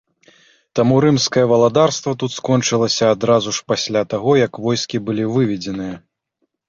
Таму рымскае валадарства тут скончылася адразу ж пасля таго, як войскі былі выведзеныя.